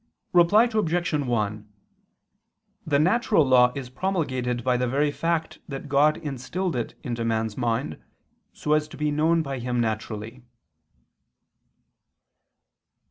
Reply Obj. 1: The natural law is promulgated by the very fact that God instilled it into man's mind so as to be known by him naturally.